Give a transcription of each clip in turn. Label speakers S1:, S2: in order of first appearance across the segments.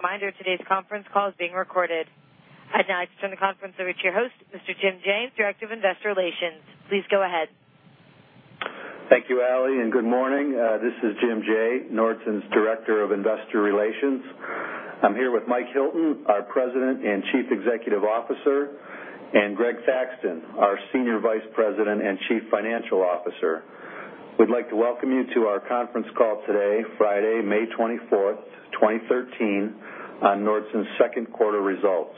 S1: Reminder, today's conference call is being recorded. I'd now like to turn the conference over to your host, Mr. James Jaye, Director of Investor Relations. Please go ahead.
S2: Thank you, Allie, and good morning. This is Jim Jaye, Nordson's Director of Investor Relations. I'm here with Mike Hilton, our President and Chief Executive Officer, and Greg Thaxton, our Senior Vice President and Chief Financial Officer. We'd like to welcome you to our conference call today, Friday, May 24th, 2013, on Nordson's second quarter results.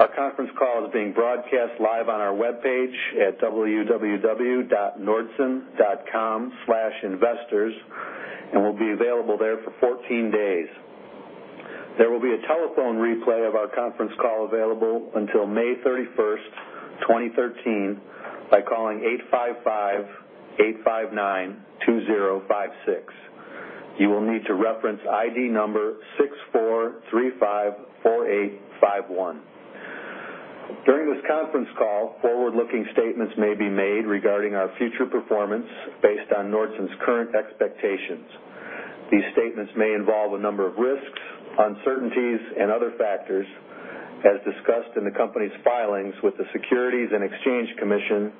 S2: Our conference call is being broadcast live on our webpage at www.nordson.com/investors, and will be available there for 14 days. There will be a telephone replay of our conference call available until May 31st, 2013 by calling 855-859-2056. You will need to reference ID number 64354851. During this conference call, forward-looking statements may be made regarding our future performance based on Nordson's current expectations. These statements may involve a number of risks, uncertainties, and other factors, as discussed in the company's filings with the Securities and Exchange Commission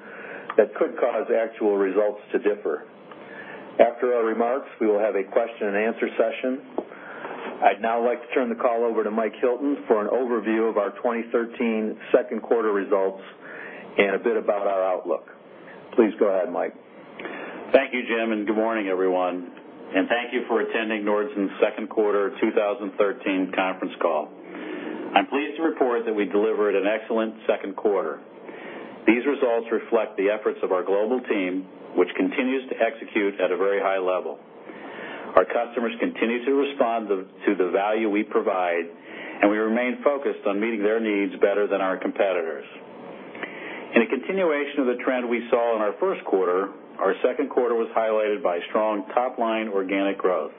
S2: that could cause actual results to differ. After our remarks, we will have a question-and-answer session. I'd now like to turn the call over to Mike Hilton for an overview of our 2013 second quarter results and a bit about our outlook. Please go ahead, Mike.
S3: Thank you, Jim, and good morning, everyone. Thank you for attending Nordson's second quarter 2013 conference call. I'm pleased to report that we delivered an excellent second quarter. These results reflect the efforts of our global team, which continues to execute at a very high level. Our customers continue to respond to the value we provide, and we remain focused on meeting their needs better than our competitors. In a continuation of the trend we saw in our first quarter, our second quarter was highlighted by strong top-line organic growth.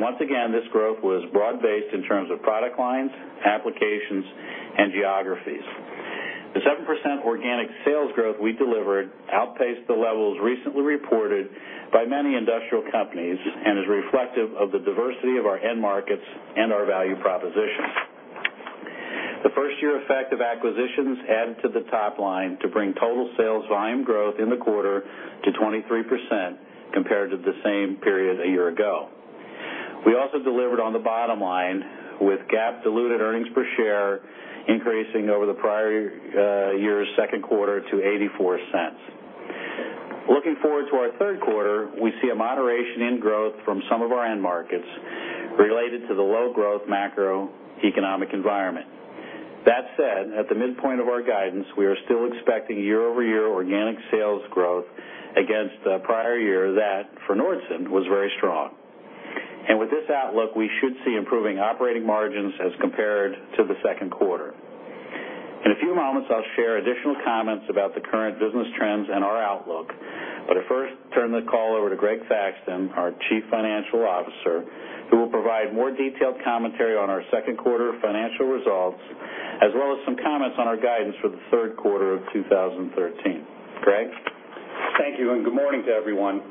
S3: Once again, this growth was broad-based in terms of product lines, applications, and geographies. The 7% organic sales growth we delivered outpaced the levels recently reported by many industrial companies and is reflective of the diversity of our end markets and our value proposition. The first year effect of acquisitions added to the top line to bring total sales volume growth in the quarter to 23% compared to the same period a year ago. We also delivered on the bottom line with GAAP diluted earnings per share increasing over the prior year's second quarter to $0.84. Looking forward to our third quarter, we see a moderation in growth from some of our end markets related to the low growth macroeconomic environment. That said, at the midpoint of our guidance, we are still expecting year-over-year organic sales growth against the prior year that, for Nordson, was very strong. With this outlook, we should see improving operating margins as compared to the second quarter. In a few moments, I'll share additional comments about the current business trends and our outlook. I first turn the call over to Greg Thaxton, our Chief Financial Officer, who will provide more detailed commentary on our second quarter financial results, as well as some comments on our guidance for the third quarter of 2013. Greg?
S4: Thank you, and good morning to everyone.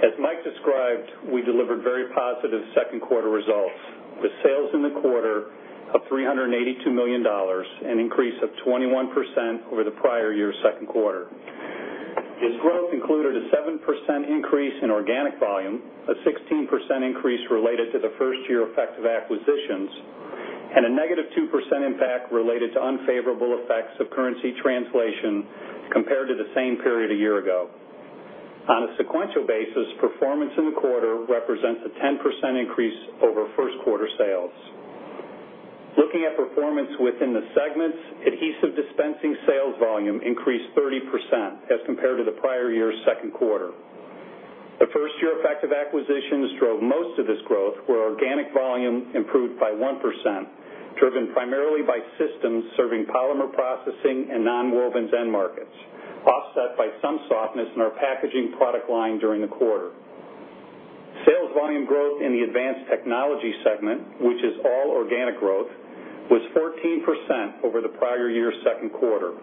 S4: As Mike described, we delivered very positive second quarter results, with sales in the quarter of $382 million, an increase of 21% over the prior year's second quarter. This growth included a 7% increase in organic volume, a 16% increase related to the first year effect of acquisitions, and a -2% impact related to unfavorable effects of currency translation compared to the same period a year ago. On a sequential basis, performance in the quarter represents a 10% increase over first quarter sales. Looking at performance within the segments, Adhesive Dispensing sales volume increased 30% as compared to the prior year's second quarter. The first year effect of acquisitions drove most of this growth, where organic volume improved by 1%, driven primarily by systems serving polymer processing and nonwovens end markets, offset by some softness in our packaging product line during the quarter. Sales volume growth in the Advanced Technology segment, which is all organic growth, was 14% over the prior year's second quarter.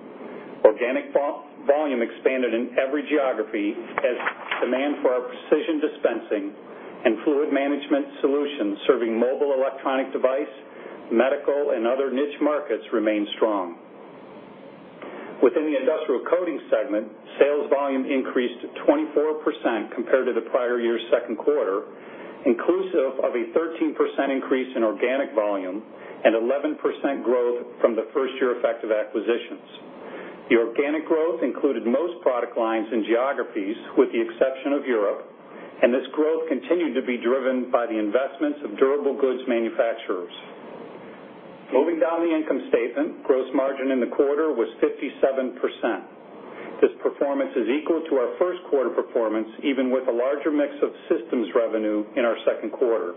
S4: Organic volume expanded in every geography as demand for our precision dispensing and fluid management solutions serving mobile electronic device, medical, and other niche markets remained strong. Within the Industrial Coatings segment, sales volume increased 24% compared to the prior year's second quarter, inclusive of a 13% increase in organic volume and 11% growth from the first year effect of acquisitions. The organic growth included most product lines and geographies, with the exception of Europe, and this growth continued to be driven by the investments of durable goods manufacturers. Moving down the income statement, gross margin in the quarter was 57%. This performance is equal to our first quarter performance, even with a larger mix of systems revenue in our second quarter.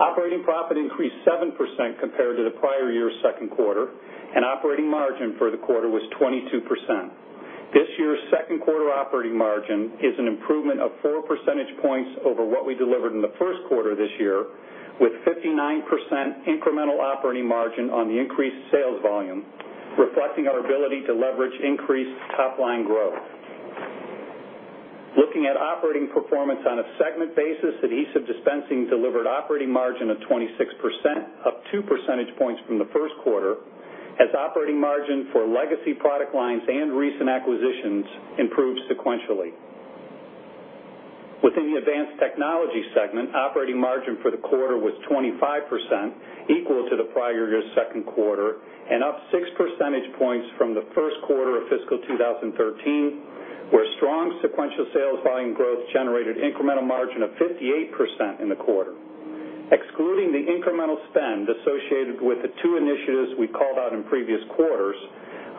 S4: Operating profit increased 7% compared to the prior year's second quarter, and operating margin for the quarter was 22%. This year's second quarter operating margin is an improvement of 4 percentage points over what we delivered in the first quarter this year, with 59% incremental operating margin on the increased sales volume, reflecting our ability to leverage increased top-line growth. Looking at operating performance on a segment basis, Adhesive Dispensing delivered operating margin of 26%, up 2 percentage points from the first quarter, as operating margin for legacy product lines and recent acquisitions improved sequentially. Within the Advanced Technology segment, operating margin for the quarter was 25%, equal to the prior year's second quarter, and up 6 percentage points from the first quarter of fiscal 2013, where strong sequential sales volume growth generated incremental margin of 58% in the quarter. Excluding the incremental spend associated with the two initiatives we called out in previous quarters,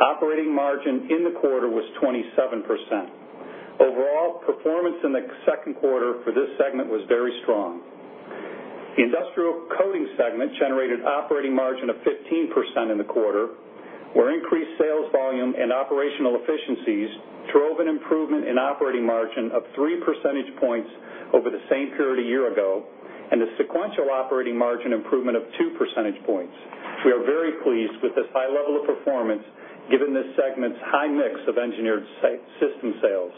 S4: operating margin in the quarter was 27%. Overall, performance in the second quarter for this segment was very strong. The Industrial Coatings segment generated operating margin of 15% in the quarter, where increased sales volume and operational efficiencies drove an improvement in operating margin of 3 percentage points over the same period a year ago, and a sequential operating margin improvement of 2 percentage points. We are very pleased with this high level of performance given this segment's high mix of engineered system sales.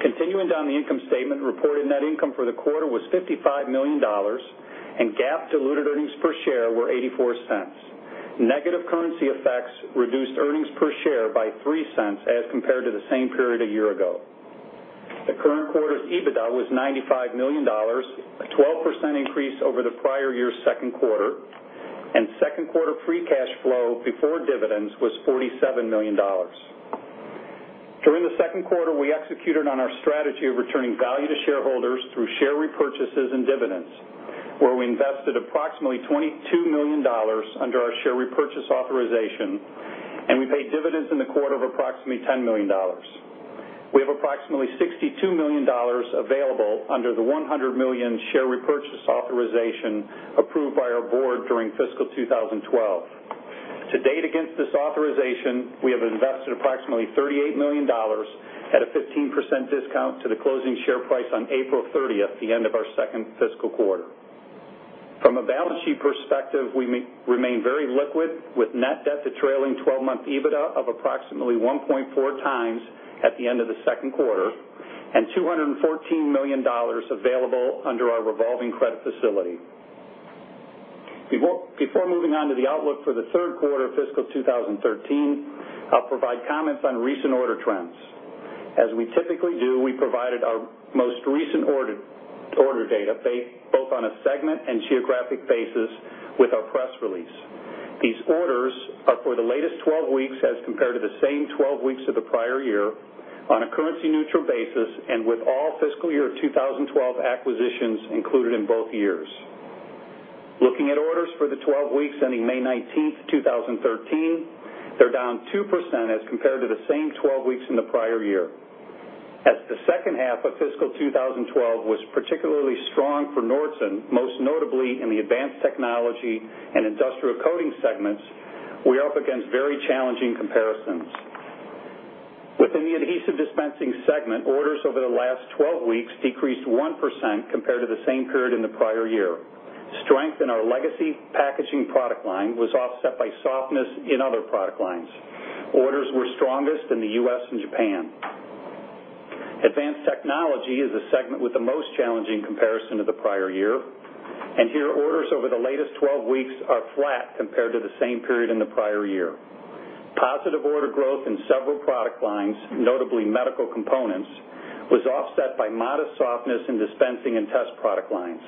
S4: Continuing down the income statement, reported net income for the quarter was $55 million, and GAAP diluted earnings per share were $0.84. Negative currency effects reduced earnings per share by $0.03 as compared to the same period a year ago. The current quarter's EBITDA was $95 million, a 12% increase over the prior year's second quarter, and second quarter free cash flow before dividends was $47 million. During the second quarter, we executed on our strategy of returning value to shareholders through share repurchases and dividends, where we invested approximately $22 million under our share repurchase authorization, and we paid dividends in the quarter of approximately $10 million. We have approximately $62 million available under the $100 million share repurchase authorization approved by our board during fiscal 2012. To date, against this authorization, we have invested approximately $38 million at a 15% discount to the closing share price on April 30th, the end of our second fiscal quarter. From a balance sheet perspective, we remain very liquid with net debt to trailing 12month EBITDA of approximately 1.4x at the end of the second quarter, and $214 million available under our revolving credit facility. Before moving on to the outlook for the third quarter of fiscal 2013, I'll provide comments on recent order trends. As we typically do, we provided our most recent order data both on a segment and geographic basis with our press release. These orders are for the latest 12 weeks as compared to the same 12 weeks of the prior year on a currency-neutral basis and with all fiscal year 2012 acquisitions included in both years. Looking at orders for the 12 weeks ending May 19th, 2013, they're down 2% as compared to the same 12 weeks in the prior year. As the second half of fiscal 2012 was particularly strong for Nordson, most notably in the Advanced Technology and Industrial Coatings segments, we're up against very challenging comparisons. Within the Adhesive Dispensing segment, orders over the last 12 weeks decreased 1% compared to the same period in the prior year. Strength in our legacy packaging product line was offset by softness in other product lines. Orders were strongest in the U.S. and Japan. Advanced Technology is the segment with the most challenging comparison to the prior year, and here, orders over the latest 12 weeks are flat compared to the same period in the prior year. Positive order growth in several product lines, notably medical components, was offset by modest softness in dispensing and test product lines.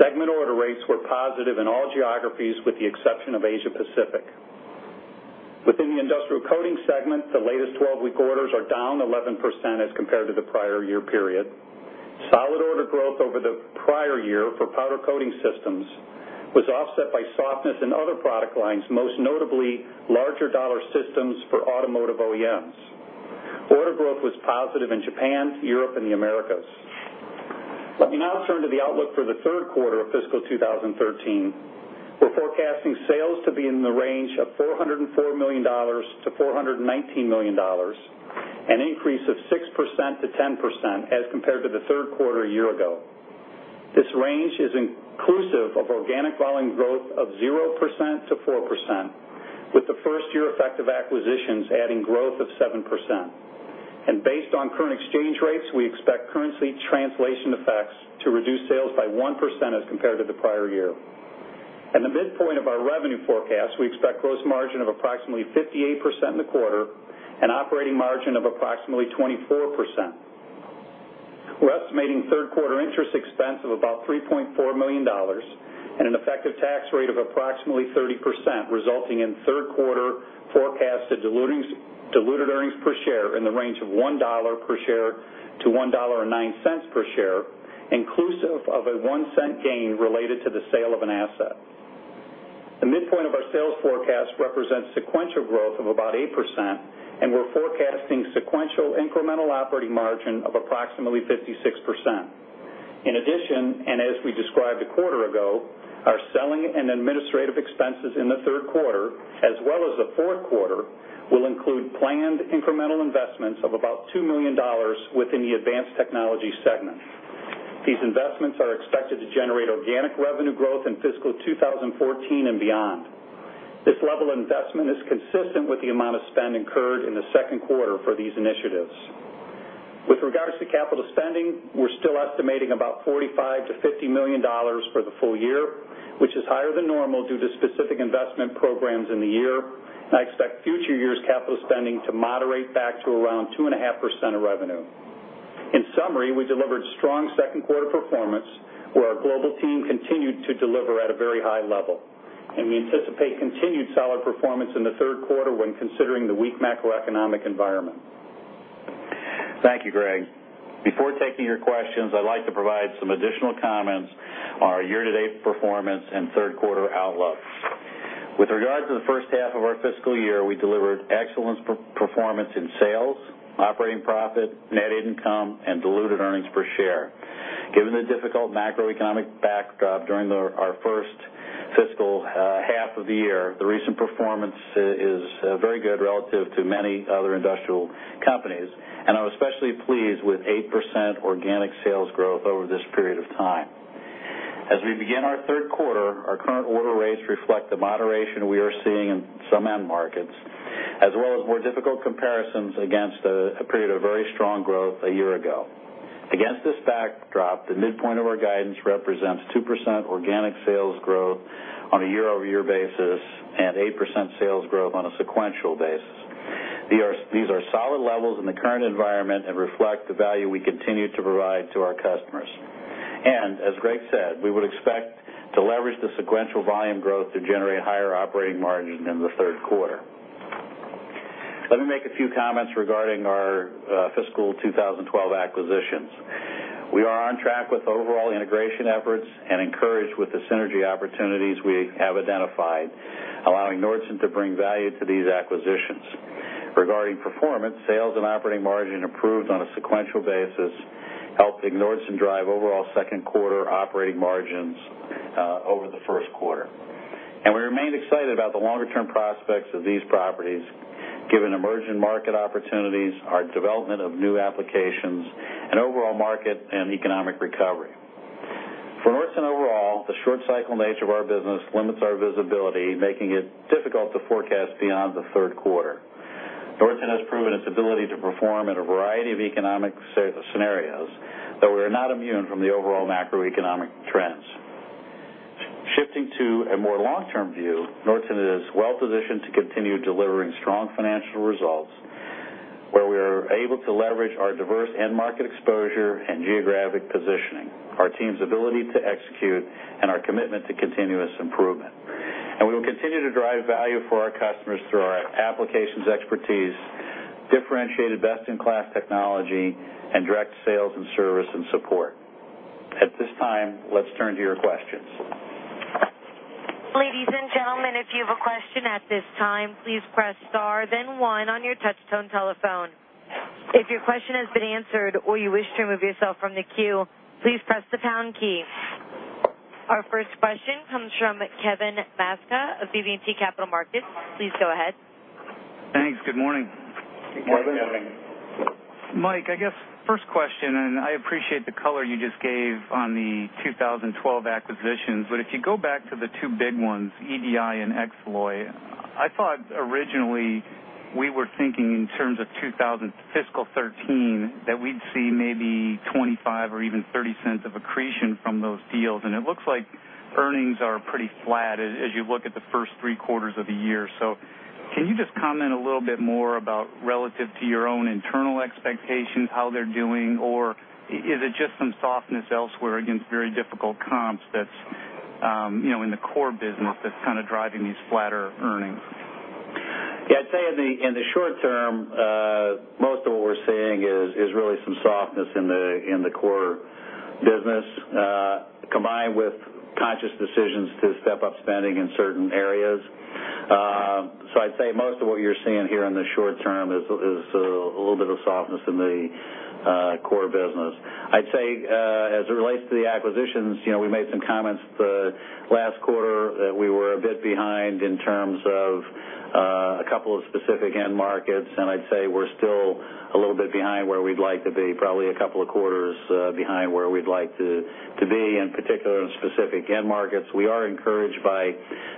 S4: Segment order rates were positive in all geographies with the exception of Asia Pacific. Within the Industrial Coatings segment, the latest 12-week orders are down 11% as compared to the prior year period. Solid order growth over the prior year for powder coating systems was offset by softness in other product lines, most notably larger dollar systems for automotive OEMs. Order growth was positive in Japan, Europe, and the Americas. Let me now turn to the outlook for the third quarter of fiscal 2013. We're forecasting sales to be in the range of $404 million-$419 million, an increase of 6%-10% as compared to the third quarter a year ago. This range is inclusive of organic volume growth of 0%-4%, with the first year effect of acquisitions adding growth of 7%. Based on current exchange rates, we expect currency translation effects to reduce sales by 1% as compared to the prior year. At the midpoint of our revenue forecast, we expect gross margin of approximately 58% in the quarter and operating margin of approximately 24%. We're estimating third quarter interest expense of about $3.4 million and an effective tax rate of approximately 30%, resulting in third quarter forecasted diluted earnings per share in the range of $1-$1.09 per share, inclusive of a $0.01 gain related to the sale of an asset. The midpoint of our sales forecast represents sequential growth of about 8%, and we're forecasting sequential incremental operating margin of approximately 56%. In addition, as we described a quarter ago, our selling and administrative expenses in the third quarter, as well as the fourth quarter, will include planned incremental investments of about $2 million within the Advanced Technology segment. These investments are expected to generate organic revenue growth in fiscal 2014 and beyond. This level of investment is consistent with the amount of spend incurred in the second quarter for these initiatives. With regards to capital spending, we're still estimating about $45 million-$50 million for the full year, which is higher than normal due to specific investment programs in the year. I expect future years' capital spending to moderate back to around 2.5% of revenue. In summary, we delivered strong second quarter performance, where our global team continued to deliver at a very high level, and we anticipate continued solid performance in the third quarter when considering the weak macroeconomic environment.
S3: Thank you, Greg. Before taking your questions, I'd like to provide some additional comments on our year-to-date performance and third quarter outlook. With regard to the first half of our fiscal year, we delivered excellent performance in sales, operating profit, net income, and diluted earnings per share. Given the difficult macroeconomic backdrop during our first fiscal half of the year, the recent performance is very good relative to many other industrial companies, and I'm especially pleased with 8% organic sales growth over this period of time. As we begin our third quarter, our current order rates reflect the moderation we are seeing in some end markets, as well as more difficult comparisons against a period of very strong growth a year ago. Against this backdrop, the midpoint of our guidance represents 2% organic sales growth on a year-over-year basis and 8% sales growth on a sequential basis. These are solid levels in the current environment and reflect the value we continue to provide to our customers. As Greg said, we would expect to leverage the sequential volume growth to generate higher operating margin in the third quarter. Let me make a few comments regarding our fiscal 2012 acquisitions. We are on track with overall integration efforts and encouraged with the synergy opportunities we have identified, allowing Nordson to bring value to these acquisitions. Regarding performance, sales and operating margin improved on a sequential basis, helping Nordson drive overall second quarter operating margins over the first quarter. We remain excited about the longer term prospects of these properties, given emerging market opportunities, our development of new applications, and overall market and economic recovery. For Nordson overall, the short cycle nature of our business limits our visibility, making it difficult to forecast beyond the third quarter. Nordson has proven its ability to perform in a variety of economic scenarios, though we are not immune from the overall macroeconomic trends. Shifting to a more long-term view, Nordson is well positioned to continue delivering strong financial results, where we are able to leverage our diverse end market exposure and geographic positioning, our team's ability to execute, and our commitment to continuous improvement. We will continue to drive value for our customers through our applications expertise, differentiated best-in-class technology, and direct sales and service and support. At this time, let's turn to your questions.
S1: Ladies and gentlemen, if you have a question at this time, please press star then one on your touch-tone telephone. If your question has been answered or you wish to remove yourself from the queue, please press the pound key. Our first question comes from Kevin Maczka of BB&T Capital Markets. Please go ahead.
S5: Thanks. Good morning.
S3: Good morning.
S4: Good morning.
S5: Mike, I guess first question, and I appreciate the color you just gave on the 2012 acquisitions, but if you go back to the two big ones, EDI and Xaloy, I thought originally we were thinking in terms of 2012– fiscal 2013, that we'd see maybe $0.25 or even $0.30 of accretion from those deals, and it looks like earnings are pretty flat as you look at the first three quarters of the year. Can you just comment a little bit more about relative to your own internal expectations, how they're doing? Or is it just some softness elsewhere against very difficult comps that's, you know, in the core business that's kind of driving these flatter earnings?
S3: Yeah. I'd say in the short term, most of what we're seeing is really some softness in the core business, combined with conscious decisions to step up spending in certain areas. I'd say most of what you're seeing here in the short term is a little bit of softness in the core business. I'd say, as it relates to the acquisitions, you know, we made some comments the last quarter that we were a bit behind in terms of a couple of specific end markets, and I'd say we're still a little bit behind where we'd like to be, probably a couple of quarters behind where we'd like to be, in particular in specific end markets. We are encouraged by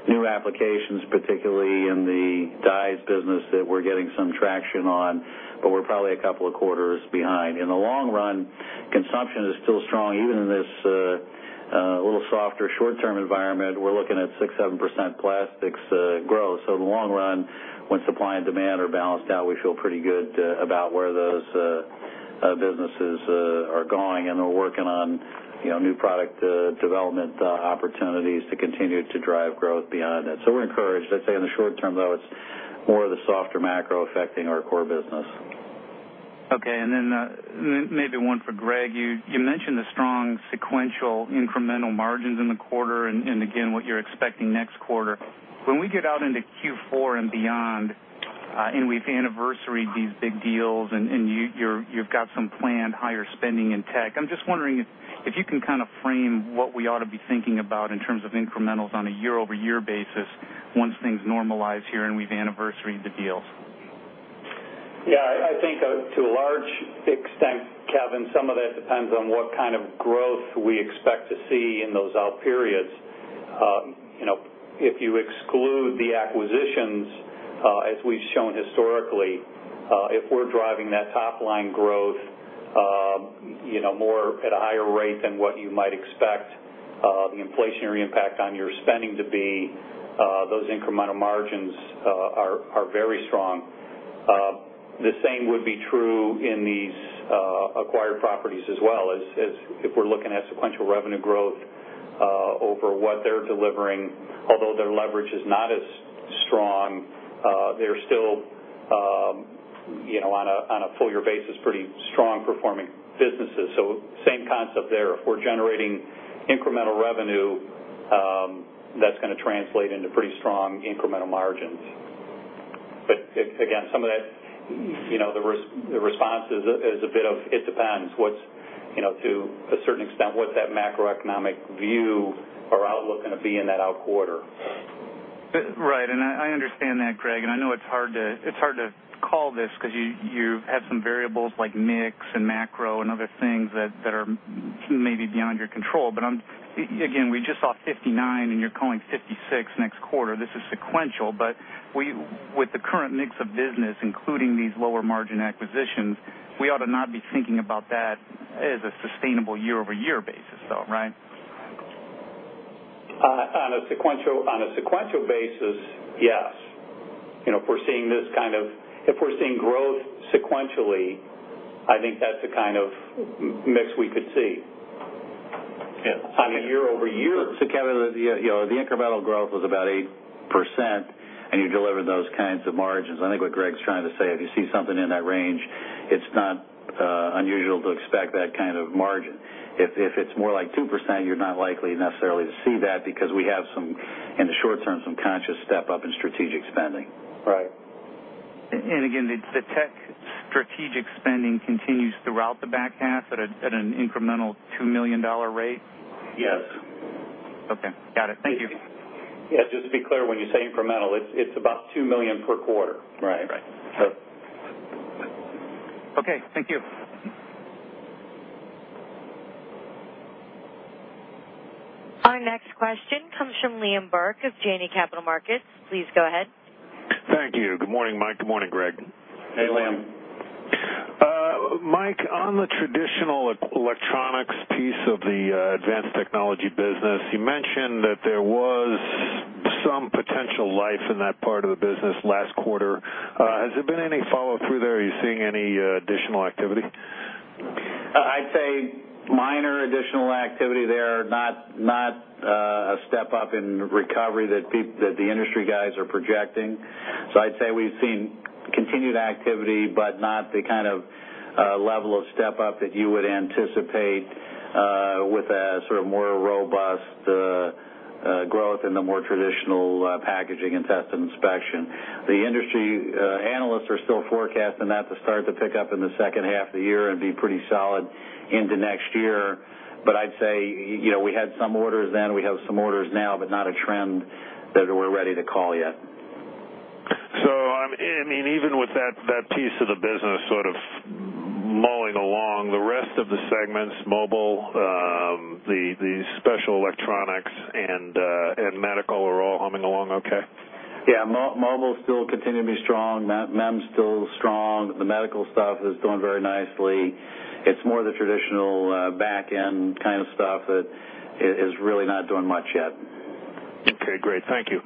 S3: new applications, particularly in the dies business, that we're getting some traction on, but we're probably a couple of quarters behind. In the long run, consumption is still strong. Even in this a little softer short-term environment, we're looking at 6%-7% plastics growth. In the long run, when supply and demand are balanced out, we feel pretty good about where those businesses are going, and we're working on, you know, new product development opportunities to continue to drive growth beyond that. We're encouraged. I'd say in the short term, though, it's more of the softer macro affecting our core business.
S5: Okay. Maybe one for Greg. You mentioned the strong sequential incremental margins in the quarter and again, what you're expecting next quarter. When we get out into Q4 and beyond, and we've anniversaried these big deals and you've got some planned higher spending in tech, I'm just wondering if you can kind of frame what we ought to be thinking about in terms of incrementals on a year-over-year basis once things normalize here and we've anniversaried the deals?
S4: Yeah, I think to a large extent, Kevin, some of that depends on what kind of growth we expect to see in those out periods. You know, if you exclude the acquisitions, as we've shown historically, if we're driving that top-line growth, you know, more at a higher rate than what you might expect, the inflationary impact on your spending to be, those incremental margins are very strong. The same would be true in these acquired properties as well as if we're looking at sequential revenue growth over what they're delivering. Although their leverage is not as strong, they're still, you know, on a full year basis, pretty strong performing businesses. Same concept there. If we're generating incremental revenue, that's gonna translate into pretty strong incremental margins. Again, some of that, you know, the response is a bit, it depends what's, you know, to a certain extent, what's that macroeconomic view or outlook gonna be in that out quarter.
S5: Right. I understand that, Greg, and I know it's hard to call this because you have some variables like mix and macro and other things that are maybe beyond your control. Again, we just saw 59%, and you're calling 56% next quarter. This is sequential, but with the current mix of business, including these lower margin acquisitions, we ought to not be thinking about that as a sustainable year-over-year basis, though, right?
S4: On a sequential basis, yes. You know, if we're seeing growth sequentially, I think that's the kind of mix we could see.
S5: Yeah.
S4: On a year over year-
S3: Kevin, you know, the incremental growth was about 8%, and you deliver those kinds of margins. I think what Greg's trying to say, if you see something in that range, it's not unusual to expect that kind of margin. If it's more like 2%, you're not likely necessarily to see that because we have some, in the short term, conscious step up in strategic spending.
S4: Right.
S5: Again, the tech strategic spending continues throughout the back half at an incremental $2 million rate?
S4: Yes.
S5: Okay. Got it. Thank you.
S4: Yes. Just to be clear, when you say incremental, it's about $2 million per quarter.
S3: Right.
S4: Right.
S5: Okay. Thank you.
S1: Our next question comes from Liam Burke of Janney Montgomery Scott. Please go ahead.
S6: Thank you. Good morning, Mike. Good morning, Greg.
S4: Hey, Liam.
S6: Mike, on the traditional electronics piece of the Advanced Technology business, you mentioned that there was some potential life in that part of the business last quarter. Has there been any follow-through there? Are you seeing any additional activity?
S3: I'd say minor additional activity there, not a step up in recovery that the industry guys are projecting. I'd say we've seen continued activity, but not the kind of level of step up that you would anticipate with a sort of more robust growth in the more traditional packaging and test and inspection. The industry analysts are still forecasting that to start to pick up in the second half of the year and be pretty solid into next year. I'd say, you know, we had some orders then, we have some orders now, but not a trend that we're ready to call yet.
S6: I mean, even with that piece of the business sort of muddling along, the rest of the segments, mobile, the special electronics and medical are all humming along okay?
S3: Yeah. Mobile still continue to be strong. MEMS still strong. The medical stuff is doing very nicely. It's more the traditional, back end kind of stuff that is really not doing much yet.
S6: Okay, great. Thank you.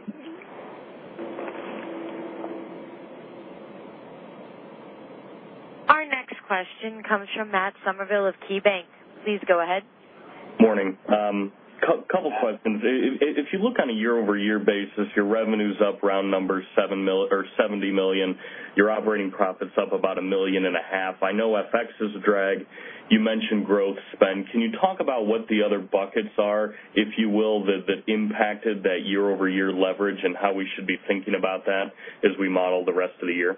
S1: Our next question comes from Matt Summerville of KeyBanc. Please go ahead.
S7: Morning. Couple questions. If you look on a year-over-year basis, your revenue's up round number $70 million, your operating profit's up about $1.5 million. I know FX is a drag. You mentioned growth spend. Can you talk about what the other buckets are, if you will, that impacted that year-over-year leverage and how we should be thinking about that as we model the rest of the year?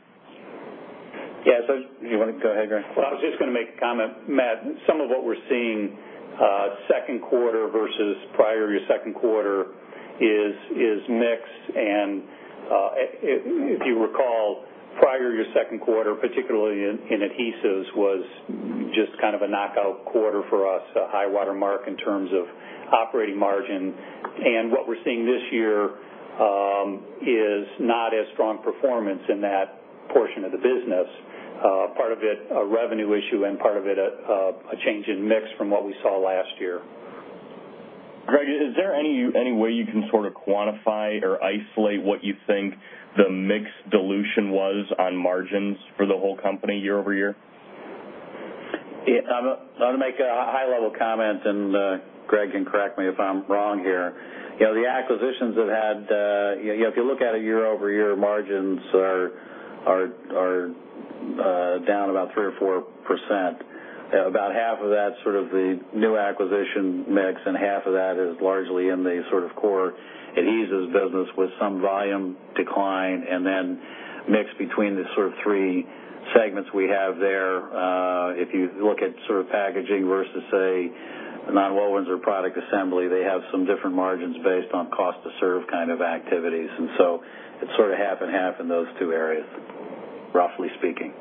S3: Yeah. You wanna go ahead, Greg?
S4: Well, I was just gonna make a comment. Matt, some of what we're seeing, second quarter versus prior year second quarter is mix. If you recall, prior year second quarter, particularly in adhesives, was just kind of a knockout quarter for us, a high water mark in terms of operating margin. What we're seeing this year is not as strong performance in that portion of the business. Part of it a revenue issue and part of it a change in mix from what we saw last year.
S7: Greg, is there any way you can sort of quantify or isolate what you think the mix dilution was on margins for the whole company year-over-year?
S3: I'm gonna make a high-level comment, and Greg can correct me if I'm wrong here. You know, the acquisitions have had, you know, if you look at it year-over-year, margins are down about 3% or 4%. About half of that sort of the new acquisition mix, and half of that is largely in the sort of core adhesives business with some volume decline and then mix between the sort of three segments we have there. If you look at sort of packaging versus, say, the nonwovens and product assembly. They have some different margins based on cost to serve kind of activities. It's sort of half and half in those two areas, roughly speaking.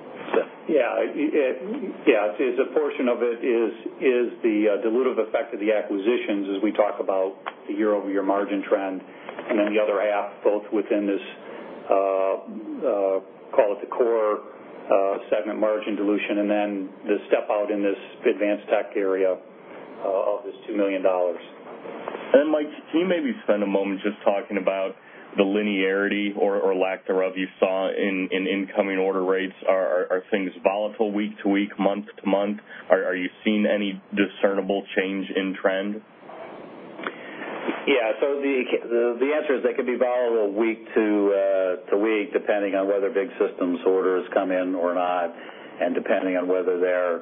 S4: It's a portion of it is the dilutive effect of the acquisitions as we talk about the year-over-year margin trend, and then the other half, both within this, call it the core segment margin dilution, and then the step out in this advanced tech area, of this $2 million.
S7: Mike, can you maybe spend a moment just talking about the linearity or lack thereof you saw in incoming order rates. Are things volatile week to week, month-to-month? Are you seeing any discernible change in trend?
S3: The answer is they could be volatile week to week, depending on whether big systems orders come in or not, and depending on whether they're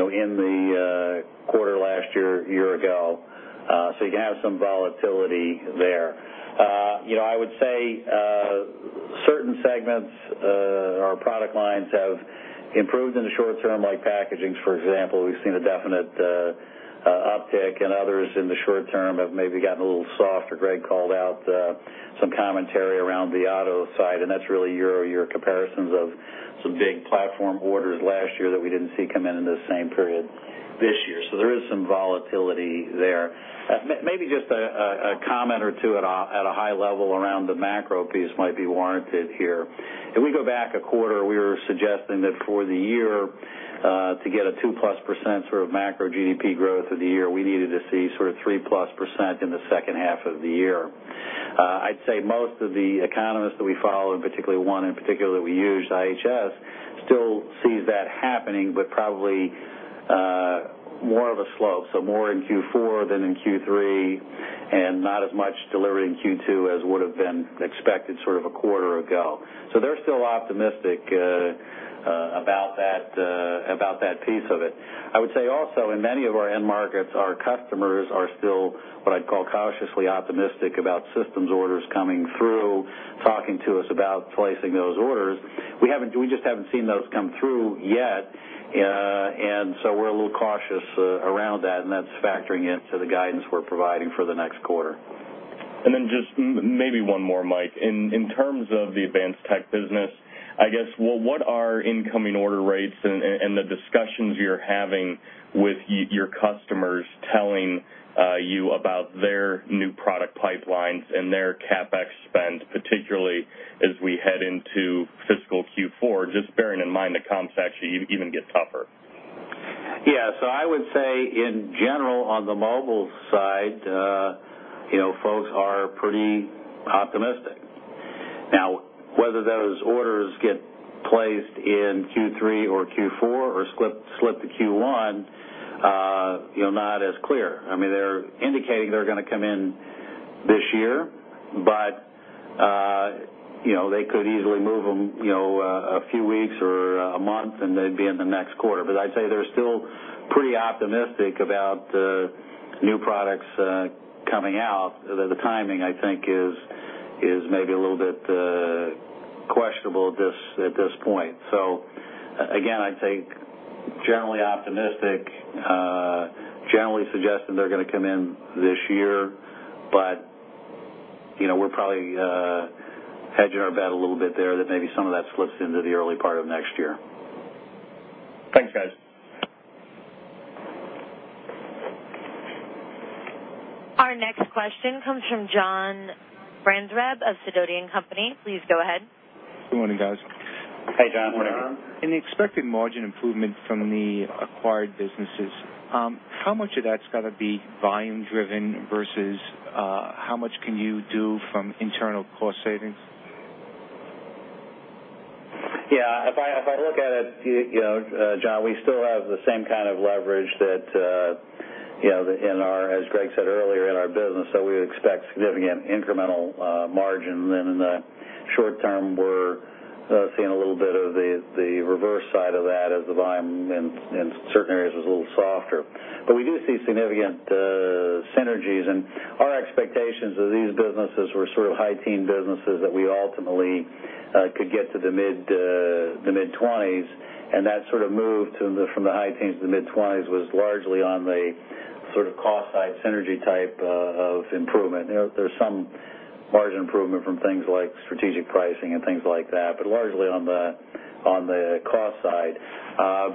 S3: in the quarter last year, a year ago. You can have some volatility there. I would say certain segments or product lines have improved in the short term, like packaging, for example. We've seen a definite uptick, and others in the short term have maybe gotten a little softer. Greg called out some commentary around the auto side, and that's really year-over-year comparisons of some big platform orders last year that we didn't see come in in the same period this year. There is some volatility there. Maybe just a comment or two at a high level around the macro piece might be warranted here. If we go back a quarter, we were suggesting that for the year, to get a 2%+ sort of macro GDP growth of the year, we needed to see sort of 3%+ in the second half of the year. I'd say most of the economists that we follow, and particularly one in particular that we use, IHS, still sees that happening, but probably more of a slope, so more in Q4 than in Q3, and not as much delivery in Q2 as would've been expected sort of a quarter ago. They're still optimistic about that piece of it. I would say also in many of our end markets, our customers are still what I'd call cautiously optimistic about systems orders coming through, talking to us about placing those orders. We haven't, we just haven't seen those come through yet. We're a little cautious around that, and that's factoring into the guidance we're providing for the next quarter.
S7: Just maybe one more, Mike. In terms of the Advanced Technology business, I guess, well, what are incoming order rates and the discussions you're having with your customers telling you about their new product pipelines and their CapEx spend, particularly as we head into fiscal Q4, just bearing in mind the comps actually even get tougher?
S3: Yeah. I would say in general, on the mobile side, you know, folks are pretty optimistic. Now whether those orders get placed in Q3 or Q4 or slip to Q1, you know, not as clear. I mean, they're indicating they're gonna come in this year, but you know, they could easily move them, you know, a few weeks or a month, and they'd be in the next quarter. I'd say they're still pretty optimistic about new products coming out. The timing, I think, is maybe a little bit questionable at this point. Again, I'd say generally optimistic, generally suggesting they're gonna come in this year. You know, we're probably hedging our bet a little bit there that maybe some of that slips into the early part of next year.
S7: Thanks, guys.
S1: Our next question comes from John Franzreb of Sidoti & Co. Please go ahead.
S8: Good morning, guys.
S3: Hey, John.
S4: Morning, John.
S8: In the expected margin improvement from the acquired businesses, how much of that's gonna be volume driven versus, how much can you do from internal cost savings?
S3: Yeah. If I look at it, you know, John, we still have the same kind of leverage that you know, as Greg said earlier, in our business, so we expect significant incremental margin. In the short term, we're seeing a little bit of the reverse side of that as the volume in certain areas was a little softer. We do see significant synergies, and our expectations of these businesses were sort of high teen businesses that we ultimately could get to the mid-twenties. That sort of move from the high teens to the mid-twenties was largely on the sort of cost side synergy type of improvement. You know, there's some margin improvement from things like strategic pricing and things like that, but largely on the cost side.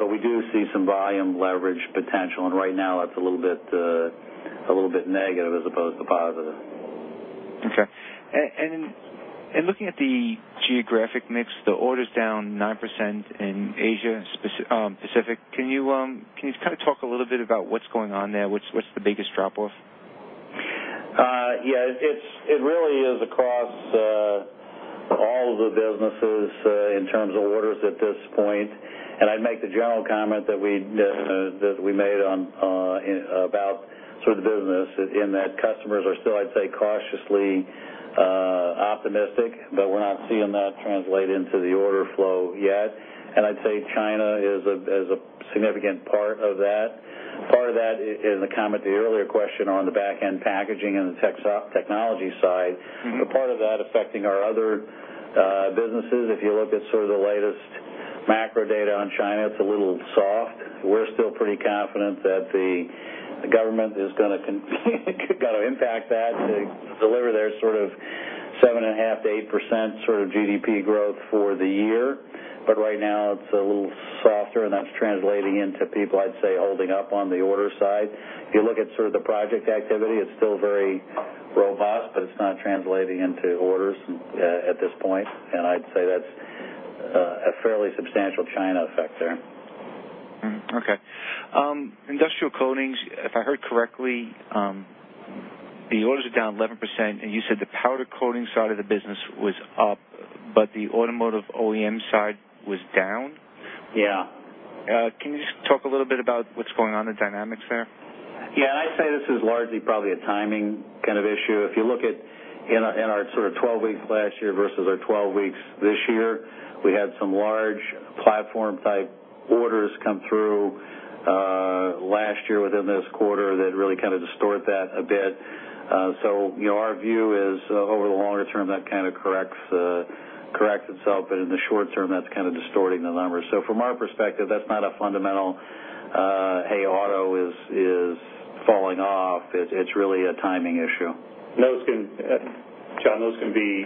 S3: We do see some volume leverage potential, and right now that's a little bit negative as opposed to positive.
S8: Looking at the geographic mix, the order's down 9% in Asia Pacific. Can you kind of talk a little bit about what's going on there? What's the biggest drop-off?
S3: Yeah. It really is across all of the businesses in terms of orders at this point. I'd make the general comment that we made on about sort of the business in that customers are still, I'd say, cautiously optimistic, but we're not seeing that translate into the order flow yet. I'd say China is a significant part of that. Part of that in the comment, the earlier question on the back end packaging and the technology side.
S8: Mm-hmm.
S3: Part of that affecting our other businesses, if you look at sort of the latest macro data on China, it's a little soft. We're still pretty confident that the government is gonna impact that to deliver their sort of 7.5%-8% GDP growth for the year. Right now, it's a little softer, and that's translating into people, I'd say, holding up on the order side. If you look at sort of the project activity, it's still very robust, but it's not translating into orders at this point. I'd say that's a fairly substantial China effect there.
S8: Industrial Coatings, if I heard correctly, the orders are down 11%, and you said the powder coating side of the business was up, but the automotive OEM side was down?
S3: Yeah.
S8: Can you just talk a little bit about what's going on, the dynamics there?
S3: Yeah. I'd say this is largely probably a timing kind of issue. If you look at in our sort of 12 weeks last year versus our 12 weeks this year, we had some large platform-type orders come through last year within this quarter that really kind of distort that a bit. You know, our view is over the longer term, that kind of corrects itself, but in the short term, that's kind of distorting the numbers. From our perspective, that's not a fundamental hey, auto is falling off. It's really a timing issue.
S4: John, those can be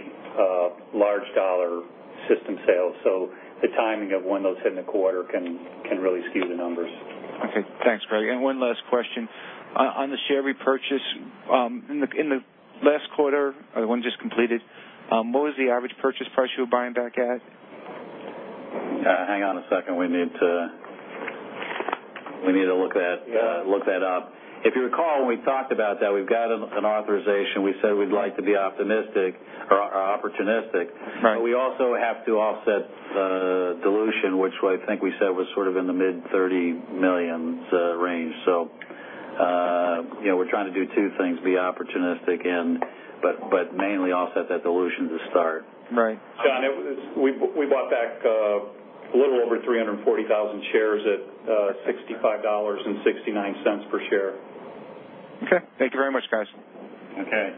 S4: large dollar system sales, so the timing of when those hit in the quarter can really skew the numbers.
S8: Okay. Thanks, Greg. One last question. On the share repurchase, in the last quarter, or the one just completed, what was the average purchase price you were buying back at?
S3: Hang on a second. We need to look that.
S4: Yeah.
S3: Look that up. If you recall, when we talked about that, we've got an authorization. We said we'd like to be optimistic or opportunistic.
S8: Right.
S3: We also have to offset the dilution, which I think we said was sort of in the mid-$30 million range. You know, we're trying to do two things, be opportunistic but mainly offset that dilution to start.
S8: Right.
S4: John, we bought back a little over 340,000 shares at $65.69 per share.
S8: Okay. Thank you very much, guys.
S3: Okay.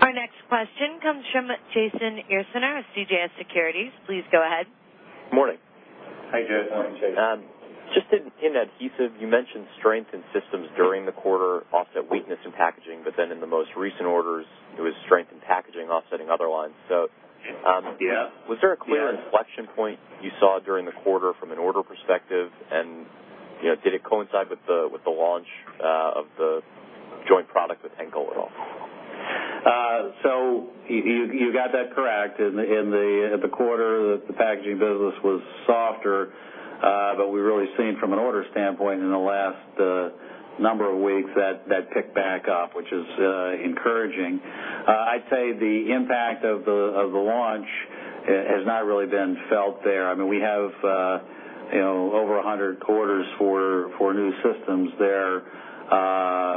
S1: Our next question comes from Jason Ursaner with CJS Securities. Please go ahead.
S9: Morning.
S3: Hi, Jason.
S4: Morning, Jason.
S9: Just in adhesive, you mentioned strength in systems during the quarter offset weakness in packaging, but then in the most recent orders, it was strength in packaging offsetting other lines.
S3: Yeah.
S9: Was there a clear inflection point you saw during the quarter from an order perspective? You know, did it coincide with the launch of the joint product with Henkel at all?
S3: You got that correct. In the quarter, the packaging business was softer, but we've really seen from an order standpoint in the last number of weeks that picked back up, which is encouraging. I'd say the impact of the launch has not really been felt there. I mean, we have, you know, over 100 quarters for new systems there,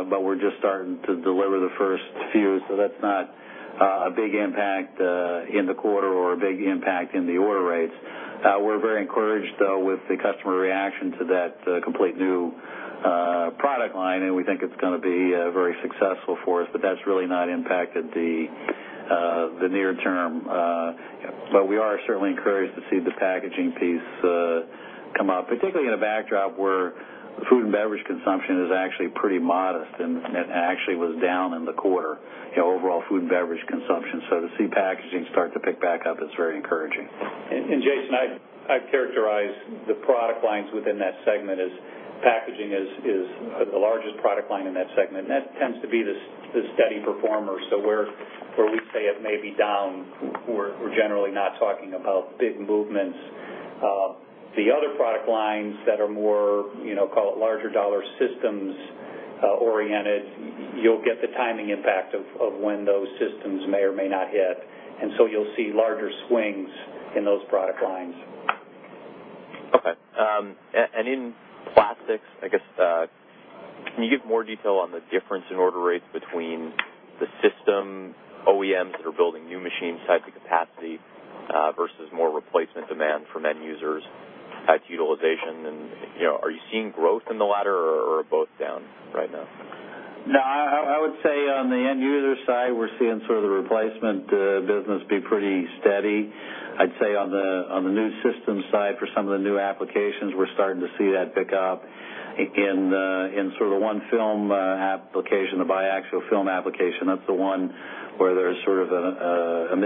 S3: but we're just starting to deliver the first few, so that's not a big impact in the quarter or a big impact in the order rates. We're very encouraged, though, with the customer reaction to that complete new product line, and we think it's gonna be very successful for us. That's really not impacted the near term. We are certainly encouraged to see the packaging piece come up, particularly in a backdrop where food and beverage consumption is actually pretty modest, and it actually was down in the quarter, you know, overall food and beverage consumption. To see packaging start to pick back up, it's very encouraging.
S4: Jason, I'd characterize the product lines within that segment as packaging is the largest product line in that segment. That tends to be the steady performer. Where we say it may be down, we're generally not talking about big movements. The other product lines that are more, you know, call it larger dollar systems oriented, you'll get the timing impact of when those systems may or may not hit. You'll see larger swings in those product lines.
S9: Okay. In plastics, I guess, can you give more detail on the difference in order rates between the system OEMs that are building new machine type of capacity versus more replacement demand from end users at utilization? You know, are you seeing growth in the latter or both down right now?
S3: No, I would say on the end user side, we're seeing sort of the replacement business be pretty steady. I'd say on the new system side, for some of the new applications, we're starting to see that pick up. In sort of one film application, the biaxial film application, that's the one where there's sort of a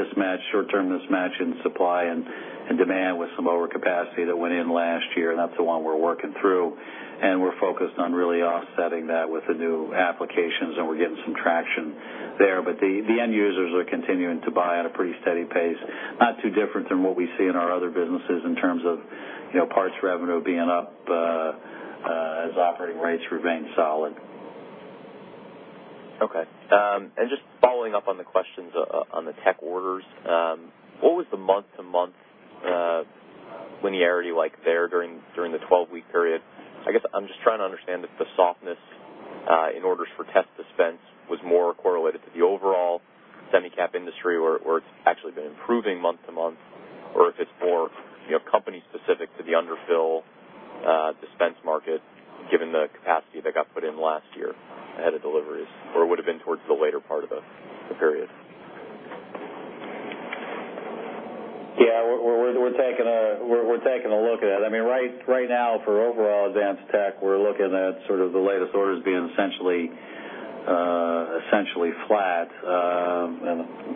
S3: short-term mismatch in supply and demand with some lower capacity that went in last year. That's the one we're working through. We're focused on really offsetting that with the new applications, and we're getting some traction there. The end users are continuing to buy at a pretty steady pace, not too different than what we see in our other businesses in terms of, you know, parts revenue being up as operating rates remain solid.
S9: Okay. Just following up on the questions on the tech orders, what was the month-to-month linearity like there during the 12-week period? I guess I'm just trying to understand if the softness in orders for test dispense was more correlated to the overall semi cap industry where it's actually been improving month-to-month or if it's more, you know, company specific to the underfill dispense market, given the capacity that got put in last year ahead of deliveries, or would have been towards the later part of the period?
S3: Yeah, we're taking a look at it. I mean, right now, for overall advanced tech, we're looking at sort of the latest orders being essentially flat.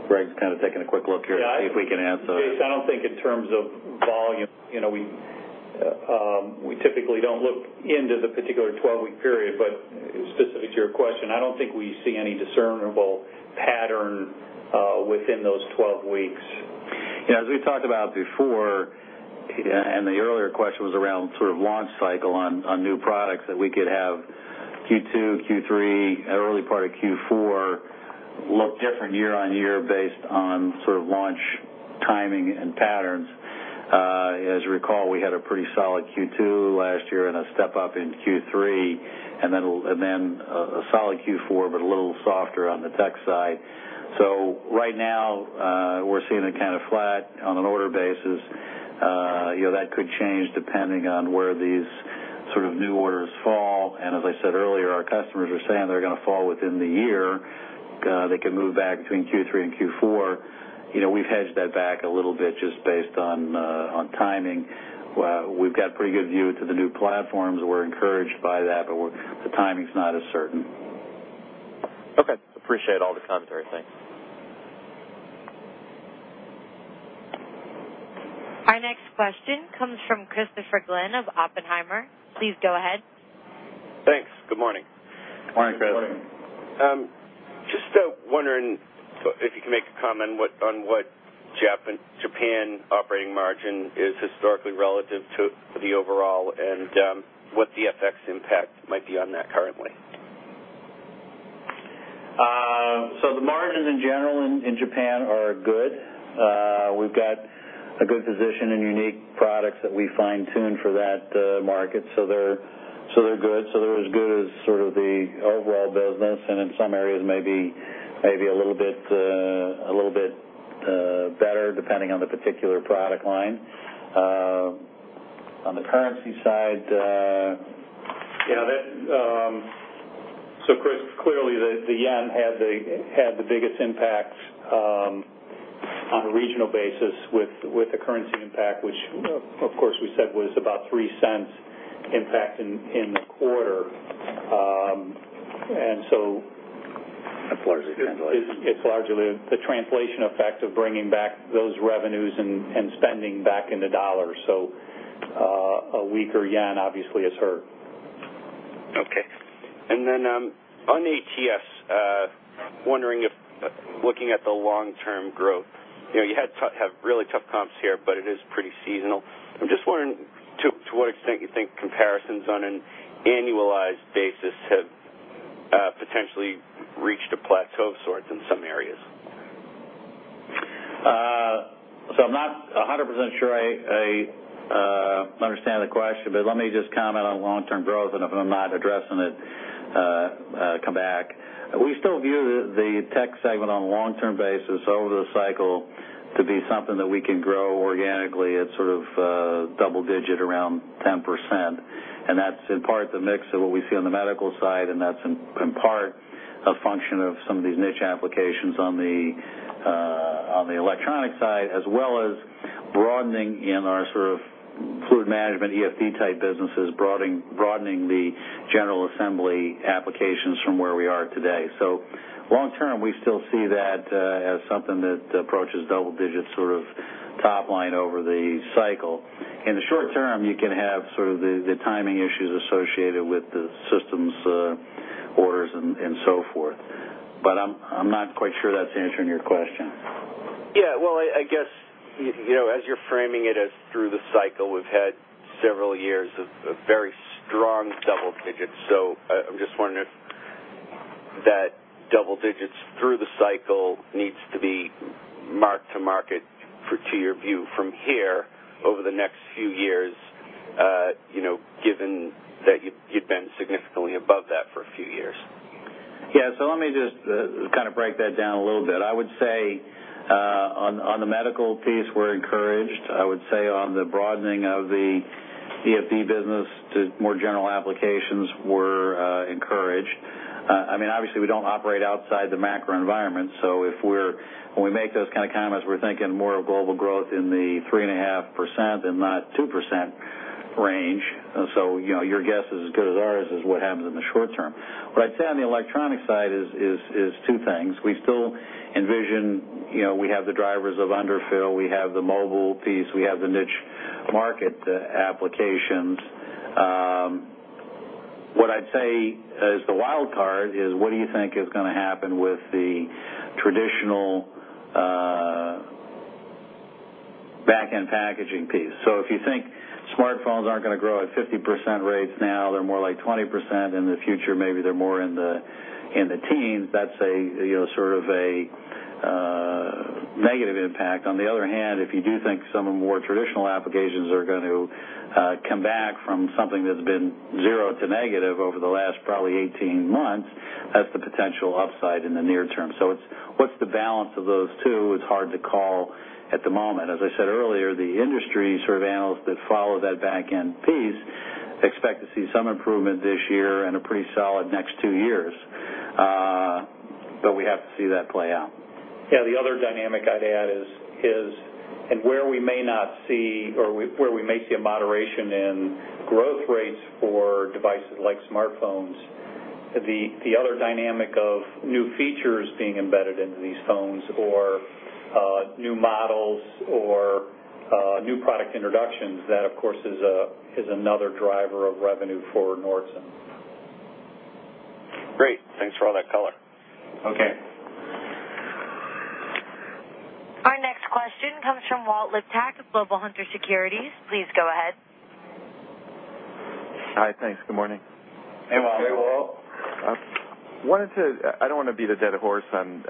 S3: Greg's kind of taking a quick look here to see if we can answer.
S4: Yeah, I don't think in terms of volume. You know, we typically don't look into the particular 12-week period. Specific to your question, I don't think we see any discernible pattern within those 12 weeks.
S3: You know, as we talked about before, and the earlier question was around sort of launch cycle on new products that we could have Q2, Q3, early part of Q4 look different year-over-year based on sort of launch timing and patterns. As you recall, we had a pretty solid Q2 last year and a step up in Q3, and then a solid Q4, but a little softer on the tech side. Right now, we're seeing it kind of flat on an order basis. You know, that could change depending on where these sort of new orders fall. As I said earlier, our customers are saying they're gonna fall within the year. They can move back between Q3 and Q4. You know, we've hedged that back a little bit just based on timing, where we've got pretty good view to the new platforms. We're encouraged by that, but the timing's not as certain.
S9: Okay. Appreciate all the commentary. Thanks.
S1: Our next question comes from Christopher Glynn of Oppenheimer. Please go ahead.
S10: Thanks. Good morning.
S3: Morning, Chris.
S4: Morning.
S10: Just wondering if you can make a comment on what Japan operating margin is historically relative to the overall and what the FX impact might be on that currently?
S3: The margins in general in Japan are good. We've got a good position in unique products that we fine-tune for that market, so they're good. They're as good as sort of the overall business, and in some areas maybe a little bit better, depending on the particular product line. On the currency side.
S4: You know, Chris, clearly, the yen had the biggest impact on a regional basis with the currency impact, which, of course, we said was about $0.03 impact in the quarter.
S3: It's largely translation.
S4: It's largely the translation effect of bringing back those revenues and spending back in the dollar. A weaker yen obviously has hurt.
S10: Okay. On ATS, wondering if looking at the long-term growth, you know, you have really tough comps here, but it is pretty seasonal. I'm just wondering to what extent you think comparisons on an annualized basis have potentially reached a plateau of sorts in some areas.
S3: I'm not 100% sure I understand the question, but let me just comment on long-term growth. If I'm not addressing it, come back. We still view the tech segment on a long-term basis over the cycle to be something that we can grow organically at sort of double-digit, around 10%. That's in part the mix of what we see on the medical side, and that's in part a function of some of these niche applications on the electronic side, as well as broadening in our sort of fluid management, EFD type businesses, broadening the general assembly applications from where we are today. Long term, we still see that as something that approaches double digits, sort of top line over the cycle. In the short term, you can have sort of the timing issues associated with the systems, orders and so forth. I'm not quite sure that's answering your question.
S10: Yeah. Well, I guess you know, as you're framing it as through the cycle, we've had several years of very strong double digits. I'm just wondering if that double digits through the cycle needs to be marked to market to your view from here over the next few years, you know, given that you've been significantly above that for a few years?
S3: Yeah. Let me just kind of break that down a little bit. I would say on the medical piece, we're encouraged. I would say on the broadening of the EFD business to more general applications, we're encouraged. I mean, obviously, we don't operate outside the macro environment, so when we make those kind of comments, we're thinking more of global growth in the 3.5% and not 2% range. You know, your guess is as good as ours is what happens in the short term. What I'd say on the electronic side is two things. We still envision, you know, we have the drivers of underfill, we have the mobile piece, we have the niche market applications. What I'd say as the wild card is what do you think is gonna happen with the traditional backend packaging piece? If you think smartphones aren't gonna grow at 50% rates now, they're more like 20%. In the future, maybe they're more in the teens. That's a you know sort of a negative impact. On the other hand, if you do think some of the more traditional applications are going to come back from something that's been 0% to negative over the last probably 18 months. That's the potential upside in the near term. It's, what's the balance of those two? It's hard to call at the moment. As I said earlier, the industry sort of analysts that follow that back-end piece expect to see some improvement this year and a pretty solid next two years. We have to see that play out.
S4: Yeah. The other dynamic I'd add is and where we may see a moderation in growth rates for devices like smartphones, the other dynamic of new features being embedded into these phones or new models or new product introductions, that of course is another driver of revenue for Nordson.
S3: Great. Thanks for all that color.
S4: Okay.
S1: Our next question comes from Walt Liptak of Global Hunter Securities. Please go ahead.
S11: Hi. Thanks. Good morning.
S3: Hey, Walt.
S4: Hey, Walt.
S11: I don't wanna beat a dead horse on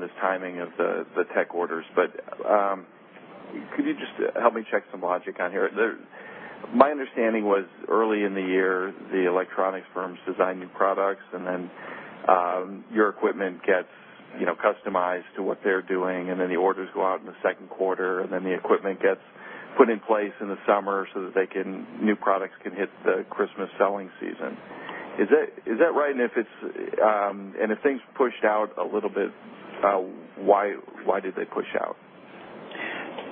S11: this timing of the tech orders, but could you just help me check some logic on here? My understanding was early in the year, the electronics firms design new products, and then your equipment gets, you know, customized to what they're doing, and then the orders go out in the second quarter, and then the equipment gets put in place in the summer so that new products can hit the Christmas selling season. Is that right? If things pushed out a little bit, why did they push out?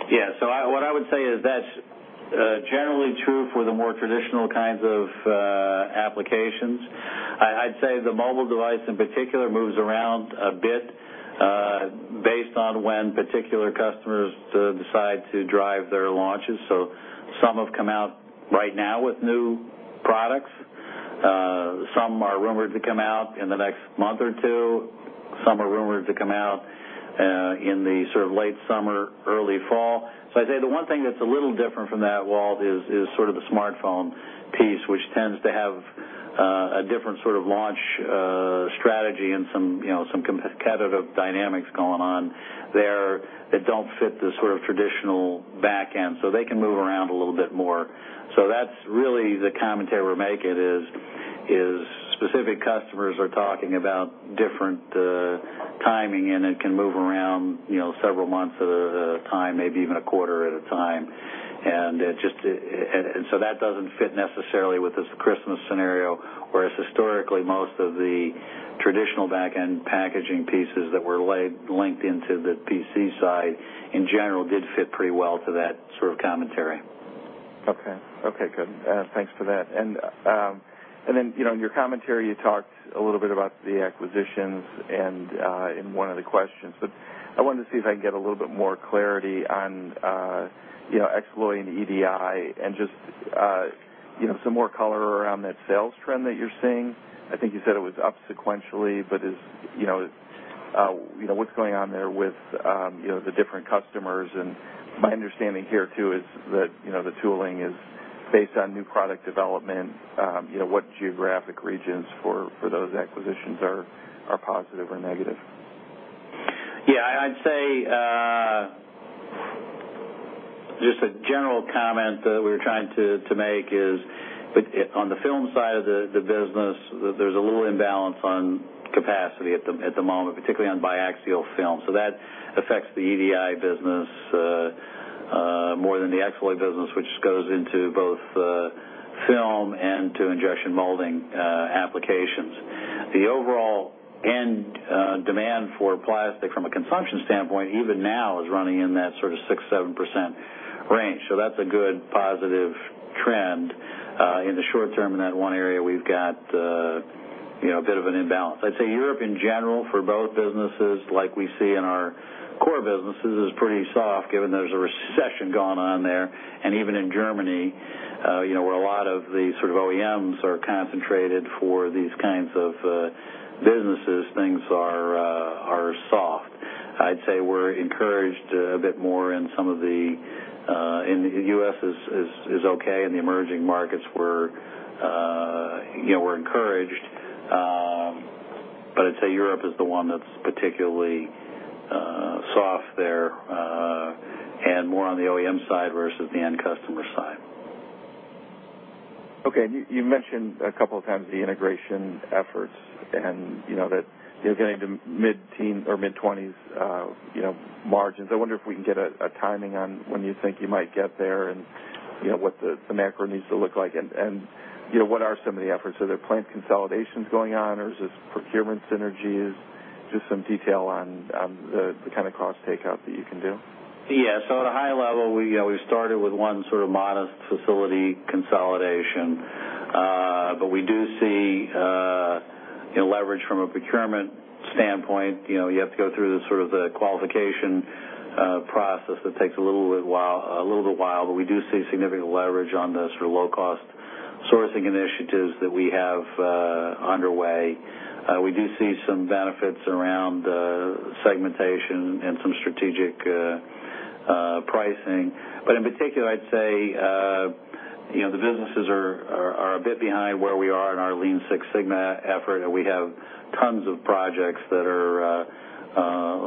S3: What I would say is that's generally true for the more traditional kinds of applications. I'd say the mobile device in particular moves around a bit based on when particular customers decide to drive their launches. Some have come out right now with new products. Some are rumored to come out in the next month or two. Some are rumored to come out in the sort of late summer, early fall. I'd say the one thing that's a little different from that, Walt, is sort of the smartphone piece, which tends to have a different sort of launch strategy and some, you know, some competitive dynamics going on there that don't fit the sort of traditional back end, so they can move around a little bit more. That's really the commentary we're making is specific customers are talking about different timing, and it can move around, you know, several months at a time, maybe even a quarter at a time. So that doesn't fit necessarily with this Christmas scenario, whereas historically, most of the traditional back-end packaging pieces that were linked into the PC side in general did fit pretty well to that sort of commentary.
S11: Okay, good. Thanks for that. Then, you know, in your commentary, you talked a little bit about the acquisitions and in one of the questions, but I wanted to see if I can get a little bit more clarity on, you know, exploiting the EDI and just some more color around that sales trend that you're seeing. I think you said it was up sequentially, but you know, what's going on there with the different customers. My understanding here too is that, you know, the tooling is based on new product development, you know, what geographic regions for those acquisitions are positive or negative.
S3: Yeah. I'd say just a general comment that we're trying to make is on the film side of the business, there's a little imbalance on capacity at the moment, particularly on biaxial film. That affects the EDI business more than the Xaloy business, which goes into both film and to injection molding applications. The overall end demand for plastic from a consumption standpoint even now is running in that sort of 6%-7% range. That's a good positive trend. In the short term, in that one area, we've got you know a bit of an imbalance. I'd say Europe in general for both businesses like we see in our core businesses is pretty soft given there's a recession going on there. Even in Germany, you know, where a lot of the sort of OEMs are concentrated for these kinds of businesses, things are soft. I'd say we're encouraged a bit more. U.S. is okay in the emerging markets. You know, we're encouraged, but I'd say Europe is the one that's particularly soft there, and more on the OEM side versus the end customer side.
S11: Okay. You mentioned a couple of times the integration efforts and, you know, that you're getting into mid-teen or mid-20s margins. I wonder if we can get a timing on when you think you might get there and, you know, what the macro needs to look like and, you know, what are some of the efforts? Are there plant consolidations going on, or is this procurement synergies? Just some detail on the kind of cost takeout that you can do?
S3: At a high level, we, you know, we started with one sort of modest facility consolidation. We do see, you know, leverage from a procurement standpoint. You know, you have to go through the sort of the qualification process that takes a little bit while, but we do see significant leverage on the sort of low cost sourcing initiatives that we have underway. We do see some benefits around segmentation and some strategic pricing. In particular, I'd say, you know, the businesses are a bit behind where we are in our Lean Six Sigma effort, and we have tons of projects that are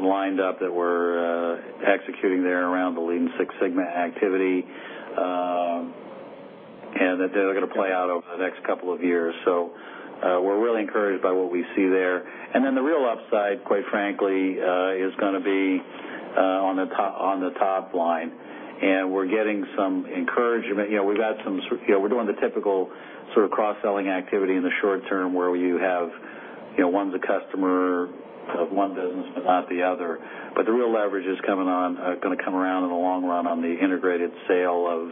S3: lined up that we're executing there around the Lean Six Sigma activity, and that they're gonna play out over the next couple of years. We're really encouraged by what we see there. The real upside, quite frankly, is gonna be on the top line. We're getting some encouragement. You know, we've had some, you know, we're doing the typical sort of cross-selling activity in the short term where you have, you know, one's a customer of one business but not the other. The real leverage is coming on, gonna come around in the long run on the integrated sale of,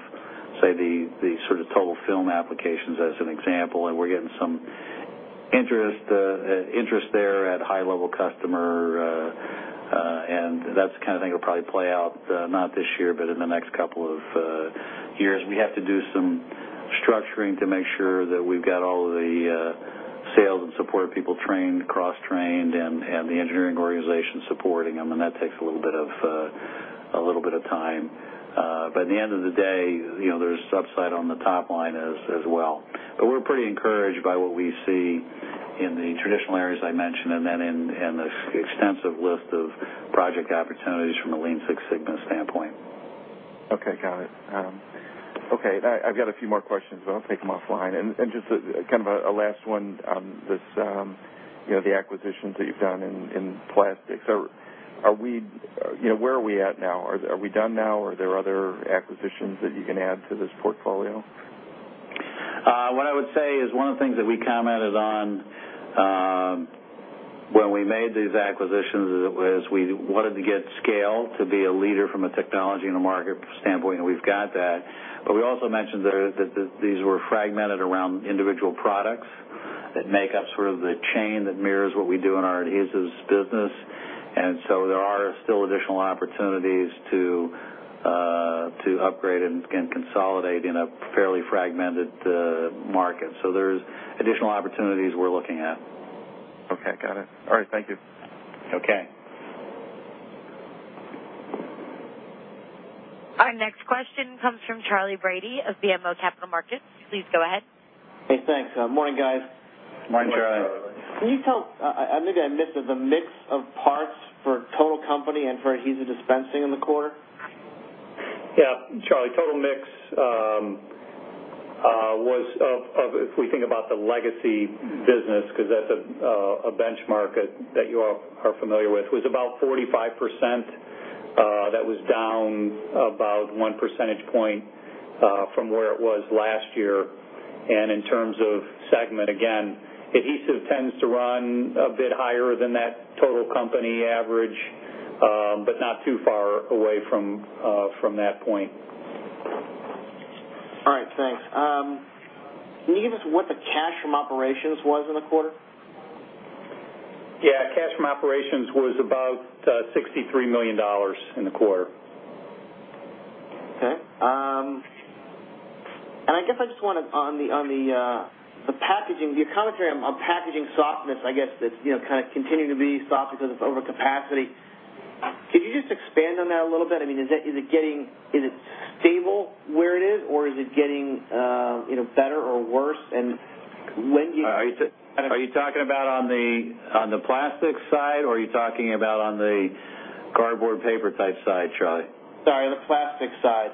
S3: say, the sort of total film applications as an example, and we're getting some interest there at high level customer. And that's the kind of thing that will probably play out, not this year, but in the next couple of years. We have to do some structuring to make sure that we've got all of the sales and support people trained, cross-trained and the engineering organization supporting them, and that takes a little bit of time. At the end of the day, you know, there's upside on the top line as well. We're pretty encouraged by what we see in the traditional areas I mentioned, and then in the extensive list of project opportunities from a Lean Six Sigma standpoint.
S11: Okay. Got it. Okay. I've got a few more questions, but I'll take them offline. Just a kind of last one on this, you know, the acquisitions that you've done in plastics. You know, where are we at now? Are we done now? Are there other acquisitions that you can add to this portfolio?
S3: What I would say is one of the things that we commented on, when we made these acquisitions is it was we wanted to get scale to be a leader from a technology and a market standpoint, and we've got that. But we also mentioned there that these were fragmented around individual products that make up sort of the chain that mirrors what we do in our adhesives business. There are still additional opportunities to upgrade and consolidate in a fairly fragmented market. There's additional opportunities we're looking at.
S11: Okay. Got it. All right. Thank you.
S3: Okay.
S1: Our next question comes from Charlie Brady of BMO Capital Markets. Please go ahead.
S12: Hey, thanks. Morning, guys.
S3: Morning, Charlie.
S4: Morning.
S13: Can you tell, I maybe missed it, the mix of parts for total company and for Adhesive Dispensing in the quarter?
S3: Yeah. Charlie, total mix was off if we think about the legacy business, 'cause that's a benchmark that you all are familiar with, was about 45%, that was down about 1 percentage point from where it was last year. In terms of segment, again, adhesive tends to run a bit higher than that total company average, but not too far away from that point.
S12: All right. Thanks. Can you give us what the cash from operations was in the quarter?
S3: Yeah. Cash from operations was about $63 million in the quarter.
S12: Okay. I guess I just wanted on the packaging, your commentary on packaging softness. I guess that's you know kind of continuing to be soft because of overcapacity. Could you just expand on that a little bit? I mean, is it stable where it is, or is it getting you know better or worse? When you-
S3: Are you talking about on the plastics side, or are you talking about on the cardboard paper type side, Charlie?
S12: Sorry, the plastics side.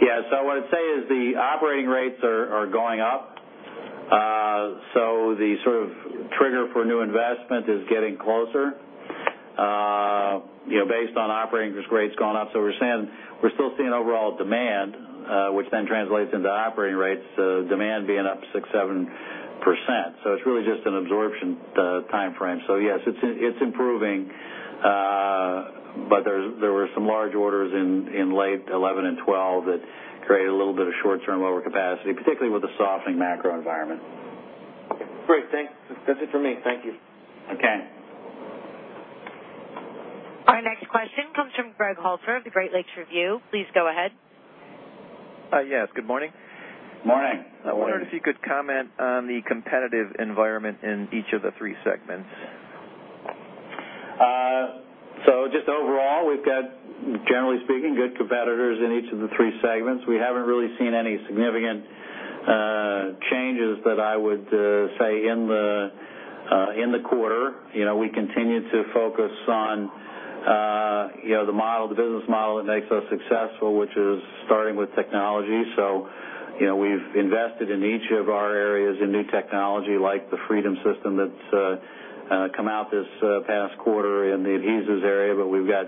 S3: Yeah. What I'd say is the operating rates are going up. The sort of trigger for new investment is getting closer, you know, based on operating rates going up. We're still seeing overall demand, which then translates into operating rates, demand being up 6%-7%. It's really just an absorption timeframe. Yes, it's improving. There were some large orders in late 2011 and 2012 that created a little bit of short-term overcapacity, particularly with the softening macro environment.
S12: Okay. Great. Thanks. That's it for me. Thank you.
S3: Okay.
S1: Our next question comes from Greg Halter of the Great Lakes Review. Please go ahead.
S14: Yes. Good morning.
S3: Morning.
S14: I wondered if you could comment on the competitive environment in each of the three segments?
S3: Just overall, we've got, generally speaking, good competitors in each of the three segments. We haven't really seen any significant changes that I would say in the quarter. You know, we continue to focus on, you know, the model, the business model that makes us successful, which is starting with technology. You know, we've invested in each of our areas in new technology, like the Freedom System that's come out this past quarter in the adhesives area, but we've got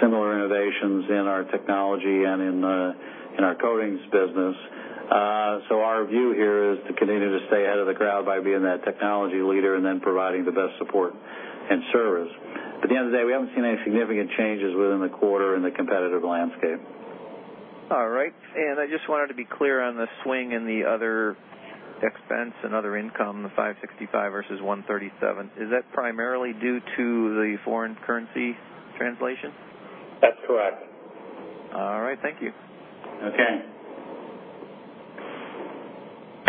S3: similar innovations in our technology and in our coatings business. Our view here is to continue to stay ahead of the crowd by being that technology leader and then providing the best support and service. At the end of the day, we haven't seen any significant changes within the quarter in the competitive landscape.
S14: All right. I just wanted to be clear on the swing in the other expense and other income, the $565,000 versus $137,000. Is that primarily due to the foreign currency translation?
S3: That's correct.
S14: All right. Thank you.
S3: Okay.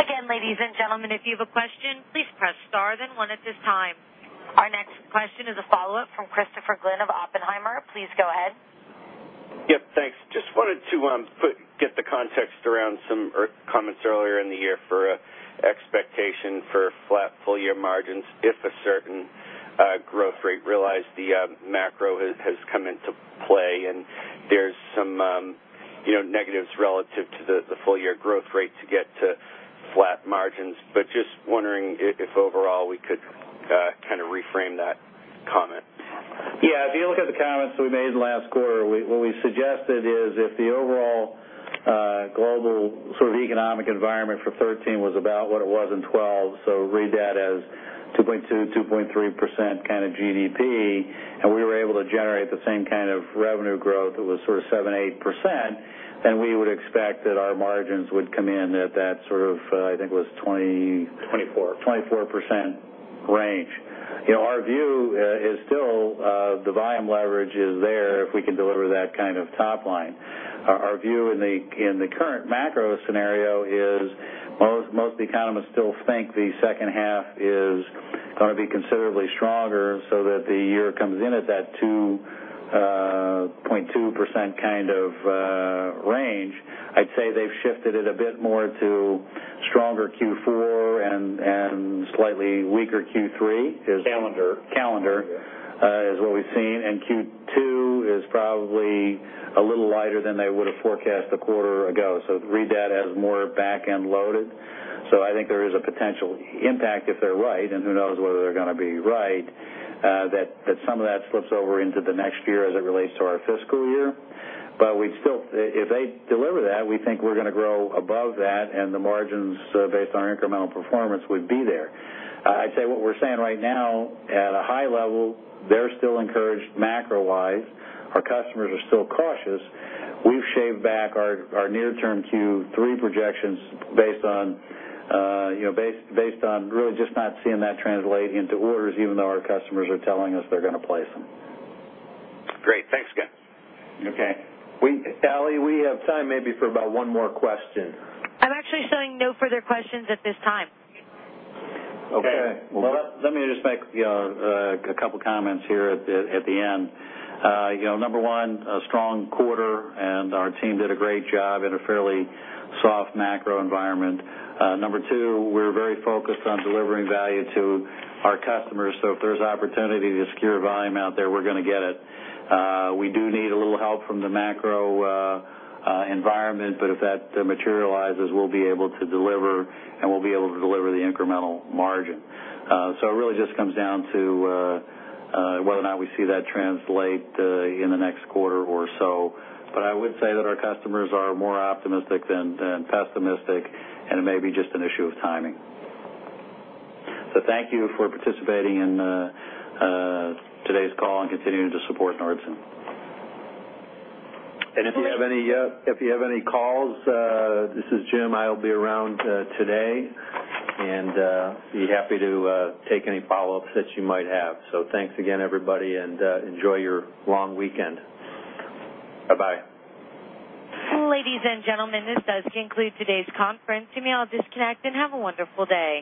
S1: Again, ladies and gentlemen, if you have a question, please press star then one at this time. Our next question is a follow-up from Christopher Glynn of Oppenheimer. Please go ahead.
S10: Get the context around some earlier comments earlier in the year for expectation for flat full-year margins, if a certain growth rate realized the macro has come into play, and there's some, you know, negatives relative to the full-year growth rate to get to flat margins. Just wondering if overall we could kind of reframe that comment?
S3: Yeah. If you look at the comments we made last quarter, what we suggested is if the overall global sort of economic environment for 2013 was about what it was in 2012, so read that as 2.2%-2.3% kind of GDP, and we were able to generate the same kind of revenue growth that was sort of 7%-8%, then we would expect that our margins would come in at that sort of, I think it was 20-
S4: 24.
S3: 24% range. You know, our view is still the volume leverage is there if we can deliver that kind of top line. Our view in the current macro scenario is most economists still think the second half is gonna be considerably stronger so that the year comes in at that 2.2% kind of range. I'd say they've shifted it a bit more to stronger Q4 and slightly weaker Q3.
S4: Calendar.
S3: Calendar is what we've seen. Q2 is probably a little lighter than they would've forecast a quarter ago. Read that as more back-end loaded. I think there is a potential impact if they're right, and who knows whether they're gonna be right, that some of that slips over into the next year as it relates to our fiscal year. We'd still. If they deliver that, we think we're gonna grow above that, and the margins, based on our incremental performance would be there. I'd say what we're saying right now, at a high level, they're still encouraged macro-wise. Our customers are still cautious. We've shaved back our near-term Q3 projections based on, you know, based on really just not seeing that translate into orders, even though our customers are telling us they're gonna place them.
S10: Great. Thanks again.
S3: Okay. Allie, we have time maybe for about one more question.
S1: I'm actually showing no further questions at this time.
S3: Okay. Well, let me just make, you know, a couple comments here at the end. You know, number one, a strong quarter, and our team did a great job in a fairly soft macro environment. Number two, we're very focused on delivering value to our customers, so if there's opportunity to secure volume out there, we're gonna get it. We do need a little help from the macro environment, but if that materializes, we'll be able to deliver, and we'll be able to deliver the incremental margin. It really just comes down to whether or not we see that translate in the next quarter or so. I would say that our customers are more optimistic than pessimistic, and it may be just an issue of timing. Thank you for participating in today's call and continuing to support Nordson.
S2: If you have any calls, this is Jim. I'll be around today, and be happy to take any follow-ups that you might have. Thanks again, everybody, and enjoy your long weekend. Bye-bye.
S1: Ladies and gentlemen, this does conclude today's conference. You may all disconnect, and have a wonderful day.